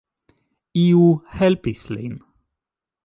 Iu helpis lin.